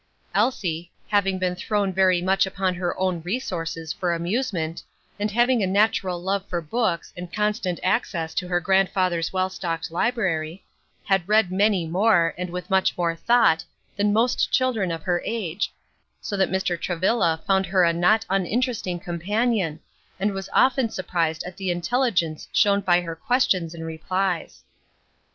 Elsie, having been thrown very much upon her own resources for amusement, and having a natural love for books, and constant access to her grandfather's well stocked library, had read many more, and with much more thought, than most children of her age, so that Mr. Travilla found her a not uninteresting companion, and was often surprised at the intelligence shown by her questions and replies.